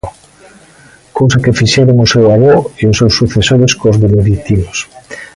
Cousa que fixeron o seu avó e os seus sucesores cos Beneditinos.